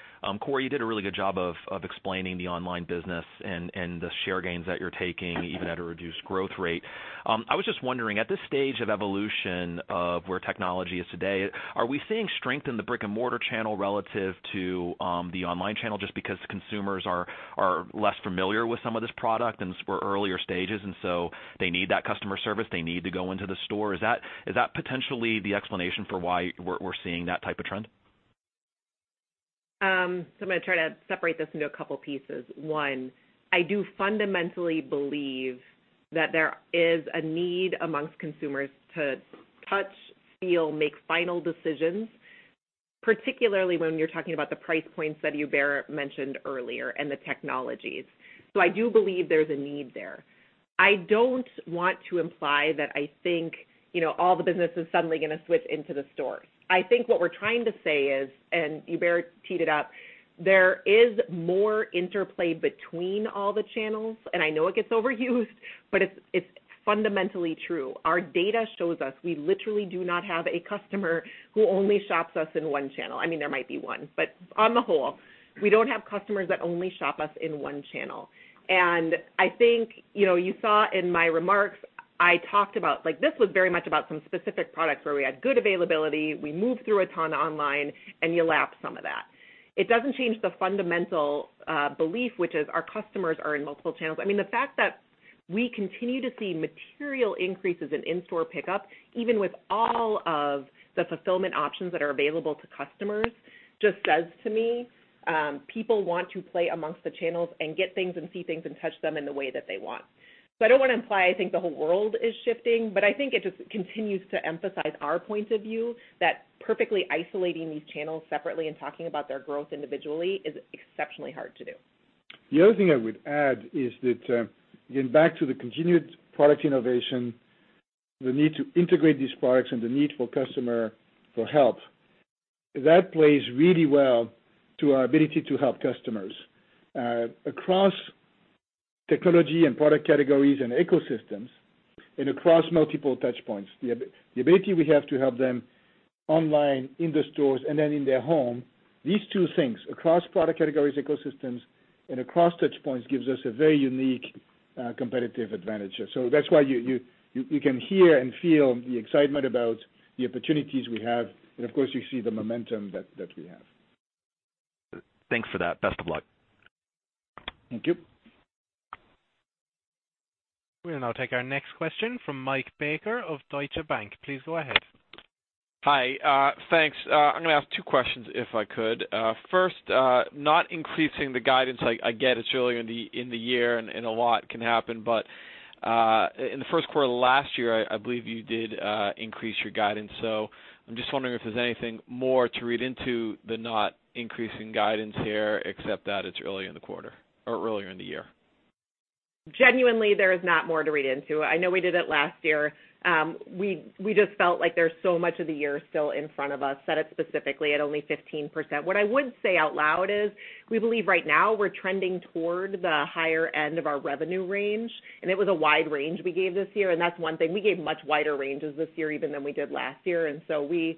Corie, you did a really good job of explaining the online business and the share gains that you're taking, even at a reduced growth rate. I was just wondering, at this stage of evolution of where technology is today, are we seeing strength in the brick-and-mortar channel relative to the online channel just because consumers are less familiar with some of this product and we're earlier stages, they need that customer service, they need to go into the store? Is that potentially the explanation for why we're seeing that type of trend? I'm going to try to separate this into a couple pieces. One, I do fundamentally believe that there is a need amongst consumers to touch, feel, make final decisions, particularly when you're talking about the price points that Hubert mentioned earlier and the technologies. I do believe there's a need there. I don't want to imply that I think all the business is suddenly going to switch into the stores. I think what we're trying to say is, Hubert teed it up, there is more interplay between all the channels. I know it gets overused, but it's fundamentally true. Our data shows us we literally do not have a customer who only shops us in one channel. I mean, there might be one, but on the whole, we don't have customers that only shop us in one channel. I think you saw in my remarks, I talked about this was very much about some specific products where we had good availability, we moved through a ton online, and you lap some of that. It doesn't change the fundamental belief, which is our customers are in multiple channels. The fact that we continue to see material increases in in-store pickup, even with all of the fulfillment options that are available to customers, just says to me, people want to play amongst the channels and get things and see things and touch them in the way that they want. I don't want to imply I think the whole world is shifting, but I think it just continues to emphasize our point of view that perfectly isolating these channels separately and talking about their growth individually is exceptionally hard to do. The other thing I would add is that, again back to the continued product innovation, the need to integrate these products and the need for customer for help. That plays really well to our ability to help customers. Across technology and product categories and ecosystems and across multiple touch points, the ability we have to help them online, in the stores, and then in their home, these two things, across product categories, ecosystems, and across touch points gives us a very unique competitive advantage. That's why you can hear and feel the excitement about the opportunities we have, and of course, you see the momentum that we have. Thanks for that. Best of luck. Thank you. We'll now take our next question from Mike Baker of Deutsche Bank. Please go ahead. Hi. Thanks. I'm going to ask two questions if I could. First, not increasing the guidance, I get it's early in the year and a lot can happen, but, in the first quarter last year, I believe you did increase your guidance. I'm just wondering if there's anything more to read into the not increasing guidance here except that it's early in the quarter or earlier in the year. Genuinely, there is not more to read into. I know we did it last year. We just felt like there's so much of the year still in front of us, set it specifically at only 15%. What I would say out loud is we believe right now we're trending toward the higher end of our revenue range, and it was a wide range we gave this year, and that's one thing. We gave much wider ranges this year even than we did last year. We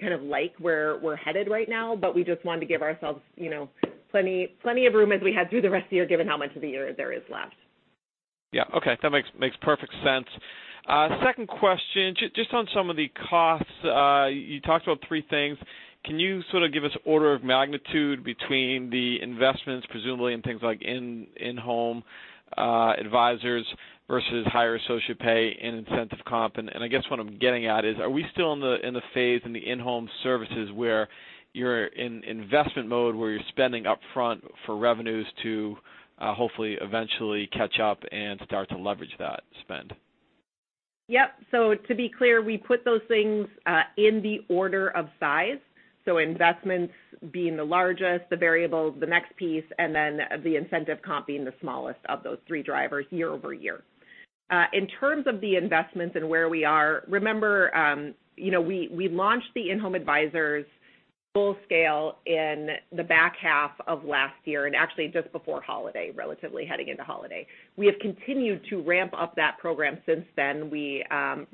kind of like where we're headed right now, but we just wanted to give ourselves plenty of room as we head through the rest of the year given how much of the year there is left. Yeah. Okay. That makes perfect sense. Second question, just on some of the costs. You talked about three things. Can you sort of give us order of magnitude between the investments, presumably in things like In-Home Advisors versus higher associate pay and incentive comp? I guess what I'm getting at is, are we still in the phase in the in-home services where you're in investment mode, where you're spending up front for revenues to hopefully eventually catch up and start to leverage that spend? Yep. To be clear, we put those things in the order of size. Investments being the largest, the variables, the next piece, and then the incentive comp being the smallest of those three drivers year over year. In terms of the investments and where we are, remember we launched the In-Home Advisors full scale in the back half of last year and actually just before holiday, relatively heading into holiday. We have continued to ramp up that program since then. We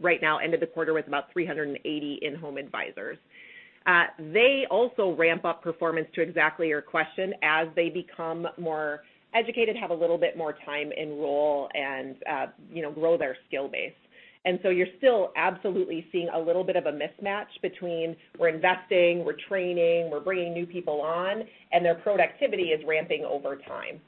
right now ended the quarter with about 380 In-Home Advisors. They also ramp up performance to exactly your question as they become more educated, have a little bit more time in role and grow their skill base. You're still absolutely seeing a little bit of a mismatch between we're investing, we're training, we're bringing new people on, and their productivity is ramping over time.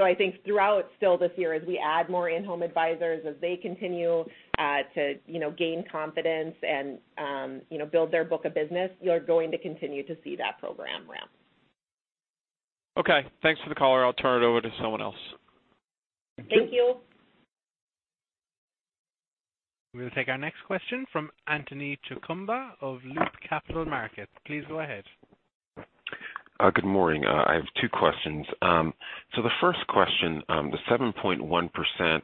I think throughout still this year, as we add more in-home advisors, as they continue to gain confidence and build their book of business, you're going to continue to see that program ramp. Okay, thanks for the color. I'll turn it over to someone else. Thank you. We'll take our next question from Anthony Chukumba of Loop Capital Markets. Please go ahead. Good morning. I have two questions. The first question, the 7.1%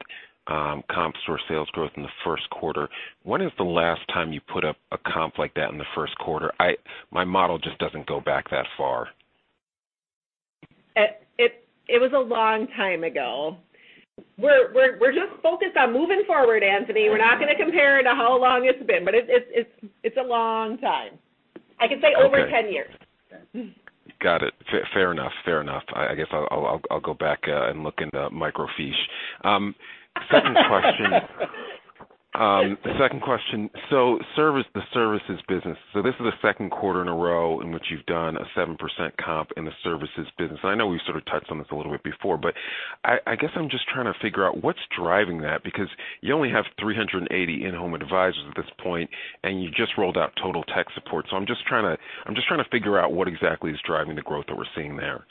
comp store sales growth in the first quarter, when is the last time you put up a comp like that in the first quarter? My model just doesn't go back that far. It was a long time ago. We're just focused on moving forward, Anthony. We're not going to compare to how long it's been, but it's a long time. I can say over 10 years. Got it. Fair enough. Fair enough. I guess I'll go back and look in the microfiche. Second question. The services business. This is the second quarter in a row in which you've done a 7% comp in the services business. I know we sort of touched on this a little bit before, but I guess I'm just trying to figure out what's driving that, because you only have 380 in-home advisors at this point, and you just rolled out Total Tech Support. I'm just trying to figure out what exactly is driving the growth that we're seeing there.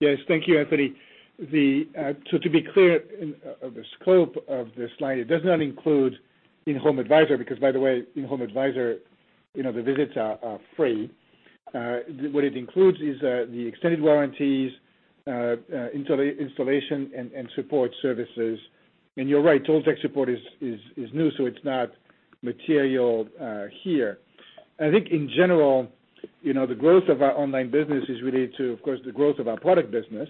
Yes. Thank you, Anthony. To be clear of the scope of the slide, it does not include In-Home Advisor because, by the way, In-Home Advisor, the visits are free. What it includes is the extended warranties, installation and support services. You're right, Total Tech Support is new, so it's not material here. I think in general, the growth of our online business is related to, of course, the growth of our product business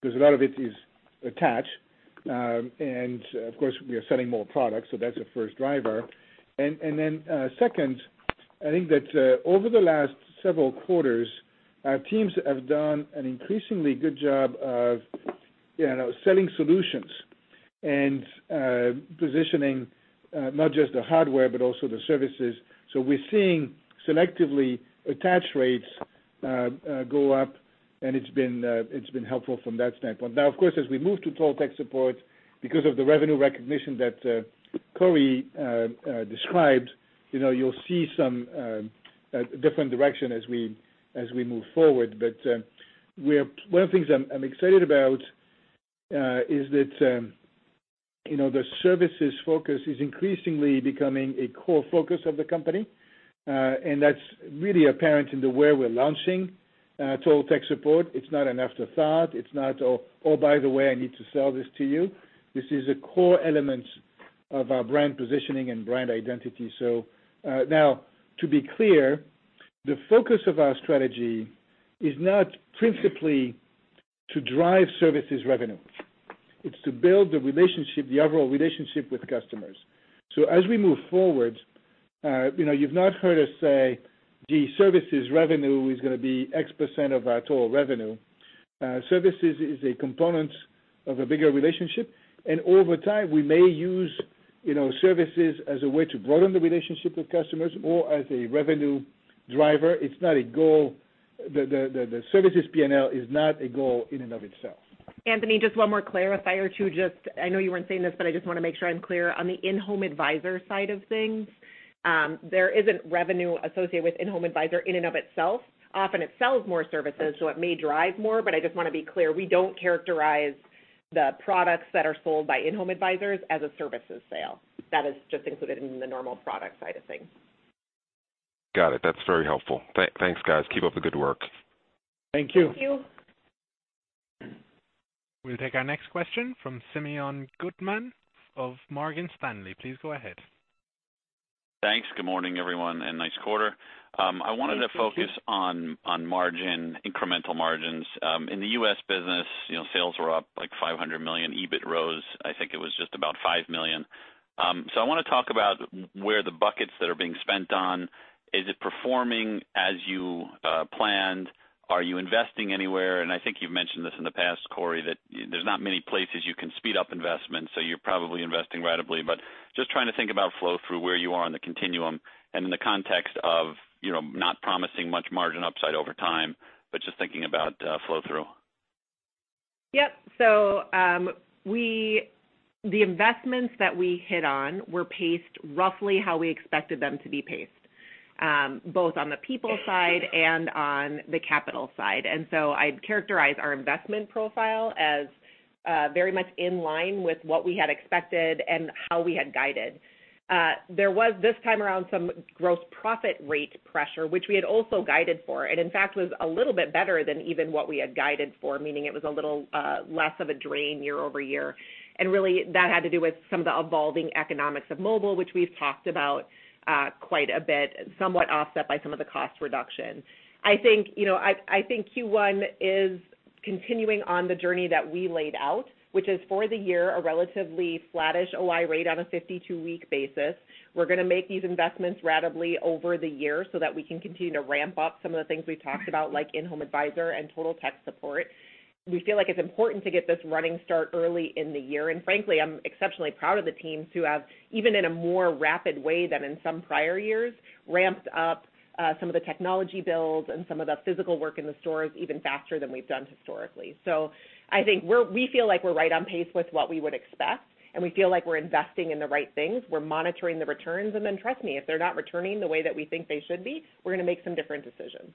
because a lot of it is attached. Of course, we are selling more products, so that's the first driver. Second, I think that over the last several quarters, our teams have done an increasingly good job of selling solutions and positioning not just the hardware but also the services. We're seeing selectively attach rates go up, and it's been helpful from that standpoint. Of course, as we move to Total Tech Support because of the revenue recognition that Corie described, you'll see some different direction as we move forward. One of the things I'm excited about is that the services focus is increasingly becoming a core focus of the company. That's really apparent in the way we're launching Total Tech Support. It's not an afterthought. It's not, "Oh, by the way, I need to sell this to you." This is a core element of our brand positioning and brand identity. To be clear, the focus of our strategy is not principally to drive services revenue. It's to build the overall relationship with customers. As we move forward, you've not heard us say the services revenue is going to be X% of our total revenue. Services is a component of a bigger relationship. Over time, we may use services as a way to broaden the relationship with customers or as a revenue driver. The services P&L is not a goal in and of itself. Anthony, just one more clarifier. I know you weren't saying this, but I want to make sure I'm clear. On the In-Home Advisor side of things, there isn't revenue associated with In-Home Advisor in and of itself. Often it sells more services, so it may drive more, but I want to be clear, we don't characterize the products that are sold by In-Home Advisors as a services sale. That is just included in the normal product side of things. Got it. That's very helpful. Thanks, guys. Keep up the good work. Thank you. Thank you. We'll take our next question from Simeon Gutman of Morgan Stanley. Please go ahead. Thanks. Good morning, everyone, and nice quarter. Thank you. I wanted to focus on margin, incremental margins. In the U.S. business, sales were up like $500 million. EBIT rose, I think it was just about $5 million. I want to talk about where the buckets that are being spent on. Is it performing as you planned? Are you investing anywhere? I think you've mentioned this in the past, Corie, that there's not many places you can speed up investment, so you're probably investing ratably. Just trying to think about flow through where you are on the continuum and in the context of not promising much margin upside over time, but just thinking about flow through. Yep. The investments that we hit on were paced roughly how we expected them to be paced, both on the people side and on the capital side. I'd characterize our investment profile as very much in line with what we had expected and how we had guided. There was, this time around, some gross profit rate pressure, which we had also guided for, and in fact, was a little bit better than even what we had guided for, meaning it was a little less of a drain year-over-year. Really that had to do with some of the evolving economics of mobile, which we've talked about quite a bit, somewhat offset by some of the cost reduction. I think Q1 is continuing on the journey that we laid out, which is for the year, a relatively flattish OI rate on a 52-week basis. We're going to make these investments ratably over the year so that we can continue to ramp up some of the things we've talked about, like In-Home Advisor and Total Tech Support. We feel like it's important to get this running start early in the year. Frankly, I'm exceptionally proud of the teams who have, even in a more rapid way than in some prior years, ramped up some of the technology builds and some of the physical work in the stores even faster than we've done historically. I think we feel like we're right on pace with what we would expect, and we feel like we're investing in the right things. We're monitoring the returns, trust me, if they're not returning the way that we think they should be, we're going to make some different decisions.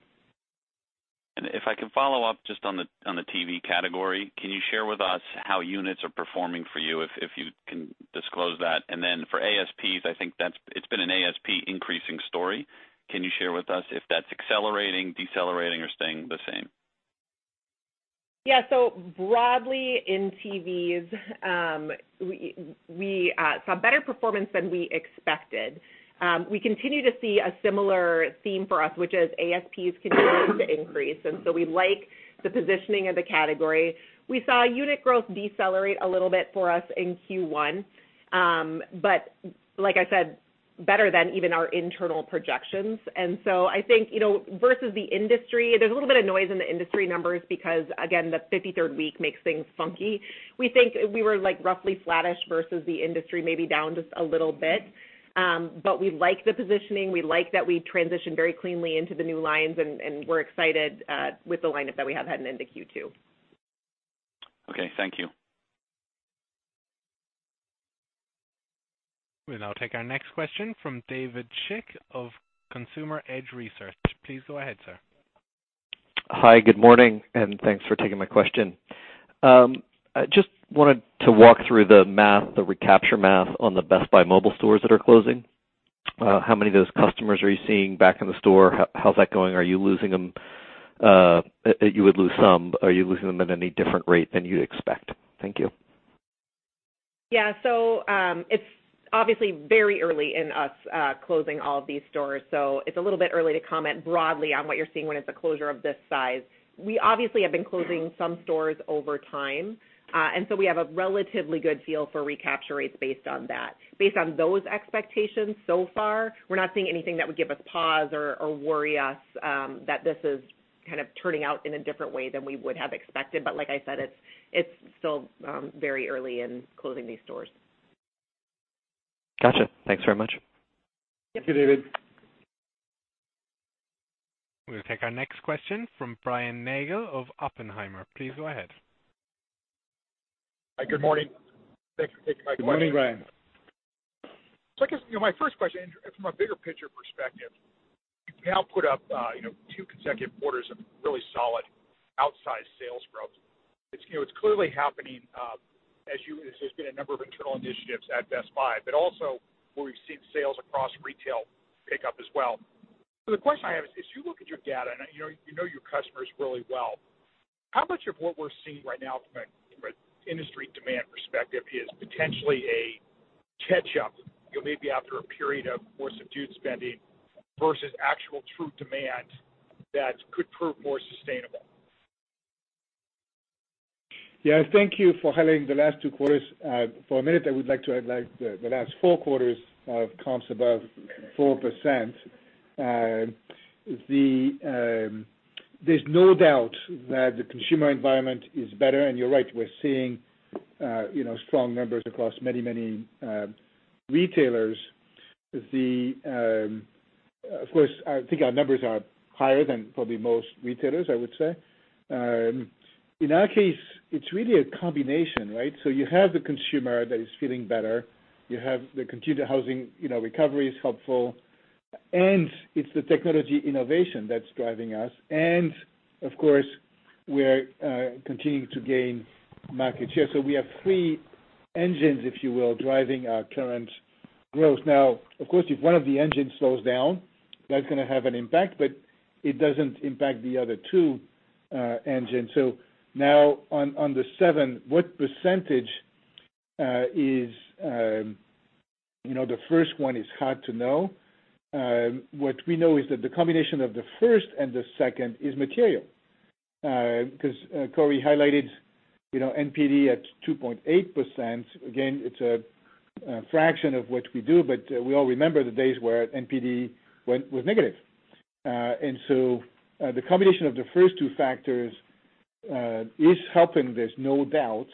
If I can follow up just on the TV category, can you share with us how units are performing for you, if you can disclose that? Then for ASPs, I think it's been an ASP increasing story. Can you share with us if that's accelerating, decelerating, or staying the same? Yeah. Broadly in TVs, we saw better performance than we expected. We continue to see a similar theme for us, which is ASPs continuing to increase. We like the positioning of the category. We saw unit growth decelerate a little bit for us in Q1. Like I said, better than even our internal projections. I think, versus the industry, there's a little bit of noise in the industry numbers because, again, the 53rd week makes things funky. We think we were roughly flattish versus the industry, maybe down just a little bit. We like the positioning. We like that we transitioned very cleanly into the new lines, and we're excited with the lineup that we have heading into Q2. Okay. Thank you. We'll now take our next question from David Schick of Consumer Edge Research. Please go ahead, sir. Hi. Good morning, and thanks for taking my question. I just wanted to walk through the math, the recapture math on the Best Buy Mobile stores that are closing. How many of those customers are you seeing back in the store? How's that going? You would lose some. Are you losing them at any different rate than you'd expect? Thank you. Yeah. It's obviously very early in us closing all of these stores, it's a little bit early to comment broadly on what you're seeing when it's a closure of this size. We obviously have been closing some stores over time, so we have a relatively good feel for recapture rates based on that. Based on those expectations so far, we're not seeing anything that would give us pause or worry us that this is kind of turning out in a different way than we would have expected. Like I said, it's still very early in closing these stores. Got you. Thanks very much. Thank you, David. We'll take our next question from Brian Nagel of Oppenheimer. Please go ahead. Hi. Good morning. Thanks for taking my question. Good morning, Brian. I guess my first question, and from a bigger picture perspective, you've now put up two consecutive quarters of really solid outsized sales growth. It's clearly happening as there's been a number of internal initiatives at Best Buy, but also where we've seen sales across retail pick up as well. The question I have is, if you look at your data, and you know your customers really well, how much of what we're seeing right now from an industry demand perspective is potentially a catch-up, maybe after a period of more subdued spending versus actual true demand that could prove more sustainable? Thank you for highlighting the last two quarters. For a minute, I would like to highlight the last four quarters of comps above 4%. There's no doubt that the consumer environment is better. And you're right, we're seeing strong numbers across many, many retailers. Of course, I think our numbers are higher than probably most retailers, I would say. In our case, it's really a combination, right? You have the consumer that is feeling better. You have the continued housing recovery is helpful. And it's the technology innovation that's driving us. And of course, we're continuing to gain market share. We have three engines, if you will, driving our current growth. Now, of course, if one of the engines slows down, that's going to have an impact, but it doesn't impact the other two engines. On the seven, what percentage is the first one is hard to know. What we know is that the combination of the first and the second is material, because Corie highlighted NPD at 2.8%. Again, it's a fraction of what we do, but we all remember the days where NPD was negative. The combination of the first two factors is helping this, no doubt.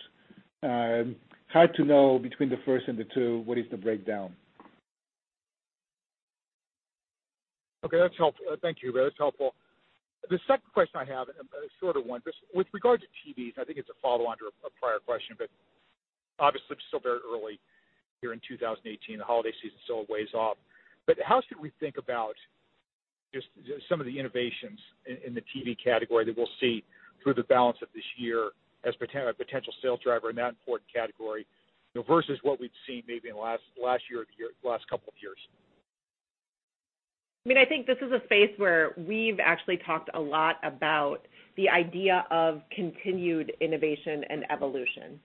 Hard to know between the first and the two what is the breakdown. Okay, that's helpful. Thank you, Hubert. That's helpful. The second question I have, a shorter one. With regard to TVs, I think it's a follow-on to a prior question, but obviously, it's still very early here in 2018, the holiday season's still a ways off. How should we think about just some of the innovations in the TV category that we'll see through the balance of this year as a potential sales driver in that important category, versus what we've seen maybe in the last year or the last couple of years? I think this is a space where we've actually talked a lot about the idea of continued innovation and evolution.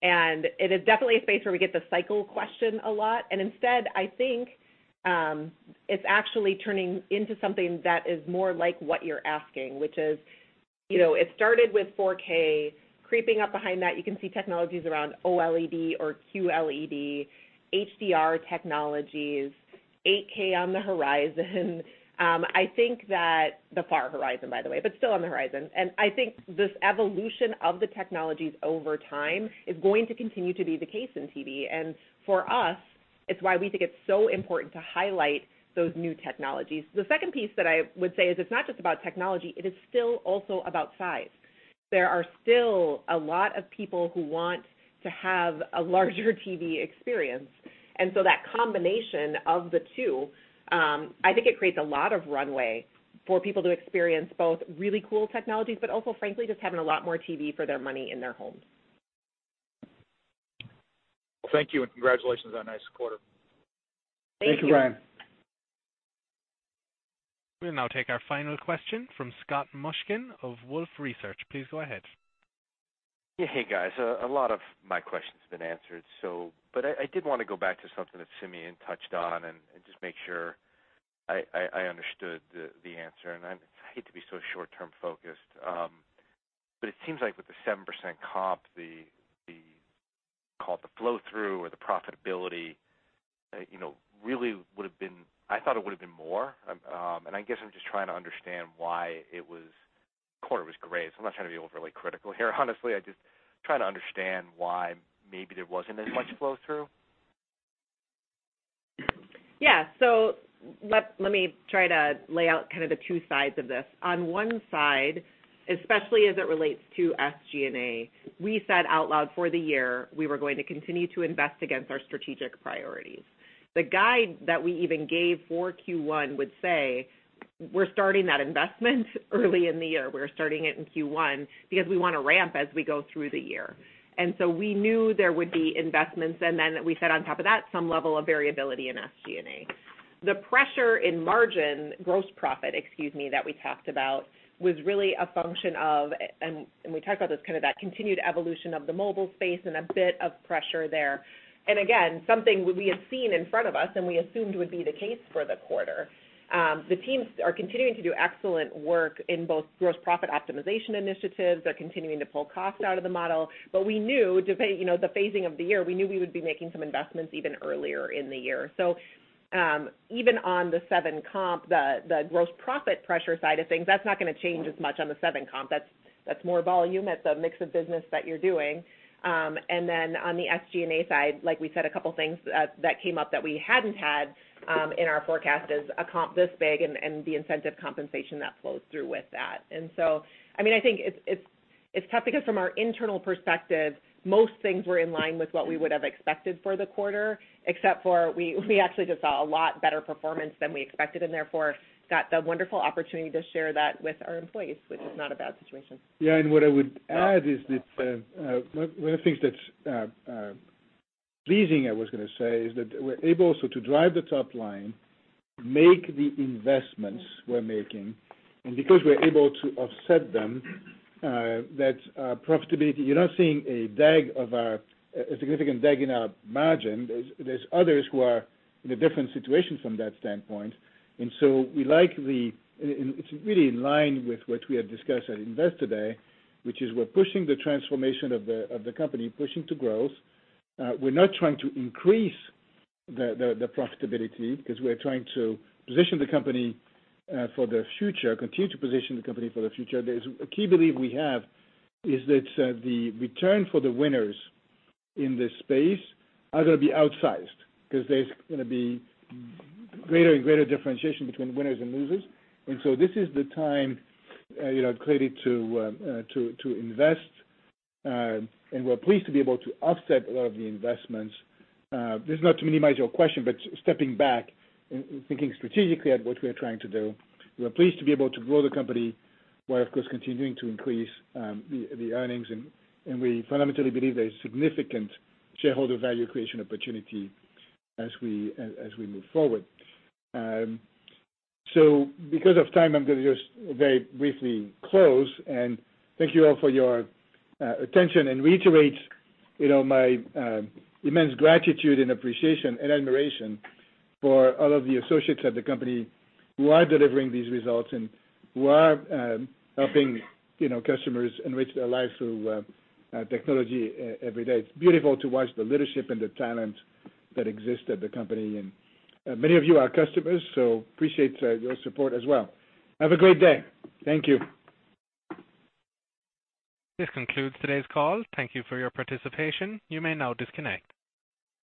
It is definitely a space where we get the cycle question a lot. Instead, I think, it's actually turning into something that is more like what you're asking, which is, it started with 4K. Creeping up behind that, you can see technologies around OLED or QLED, HDR technologies, 8K on the horizon. The far horizon, by the way, but still on the horizon. I think this evolution of the technologies over time is going to continue to be the case in TV. For us, it's why we think it's so important to highlight those new technologies. The second piece that I would say is it's not just about technology, it is still also about size. There are still a lot of people who want to have a larger TV experience. That combination of the two, I think it creates a lot of runway for people to experience both really cool technologies, but also frankly, just having a lot more TV for their money in their homes. Well, thank you, congratulations on a nice quarter. Thank you. Thank you, Brian. We'll now take our final question from Scott Mushkin of Wolfe Research. Please go ahead. Yeah. Hey, guys. A lot of my question's been answered. I did want to go back to something that Simeon touched on and just make sure I understood the answer. I hate to be so short-term focused. It seems like with the 7% comp, call it the flow-through or the profitability, I thought it would've been more. I guess I'm just trying to understand why it was. The quarter was great, so I'm not trying to be overly critical here, honestly. I'm just trying to understand why maybe there wasn't as much flow-through. Yeah. Let me try to lay out kind of the two sides of this. On one side, especially as it relates to SG&A, we said out loud for the year, we were going to continue to invest against our strategic priorities. The guide that we even gave for Q1 would say we're starting that investment early in the year. We were starting it in Q1 because we want to ramp as we go through the year. We knew there would be investments, and then we said on top of that, some level of variability in SG&A. The pressure in margin, gross profit, excuse me, that we talked about was really a function of, we talked about this, kind of that continued evolution of the mobile space and a bit of pressure there. Again, something we had seen in front of us and we assumed would be the case for the quarter. The teams are continuing to do excellent work in both gross profit optimization initiatives. They're continuing to pull cost out of the model. We knew, depending, the phasing of the year, we knew we would be making some investments even earlier in the year. Even on the seven comp, the gross profit pressure side of things, that's not gonna change as much on the seven comp. That's more volume. That's a mix of business that you're doing. Then on the SG&A side, like we said, a couple of things that came up that we hadn't had in our forecast is a comp this big and the incentive compensation that flows through with that. I think it's tough because from our internal perspective, most things were in line with what we would have expected for the quarter, except for we actually just saw a lot better performance than we expected, and therefore got the wonderful opportunity to share that with our employees, which is not a bad situation. Yeah, what I would add is that one of the things that's pleasing is that we're able so to drive the top line, make the investments we're making, and because we're able to offset them, that profitability, you're not seeing a significant dent in our margin. There's others who are in a different situation from that standpoint. It's really in line with what we had discussed at Investor Day, which is we're pushing the transformation of the company, pushing to growth. We're not trying to increase the profitability because we're trying to position the company for the future, continue to position the company for the future. There's a key belief we have, is that the return for the winners in this space are going to be outsized because there's going to be greater and greater differentiation between winners and losers. This is the time, clearly, to invest. We're pleased to be able to offset a lot of the investments. This is not to minimize your question, but stepping back and thinking strategically at what we're trying to do, we're pleased to be able to grow the company while, of course, continuing to increase the earnings. We fundamentally believe there's significant shareholder value creation opportunity as we move forward. Because of time, I'm going to just very briefly close and thank you all for your attention and reiterate my immense gratitude and appreciation and admiration for all of the associates at the company who are delivering these results and who are helping customers enrich their lives through technology every day. It's beautiful to watch the leadership and the talent that exists at the company. Many of you are customers, so appreciate your support as well. Have a great day. Thank you. This concludes today's call. Thank you for your participation. You may now disconnect.